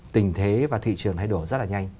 tình thế và thị trường thay đổi rất là nhanh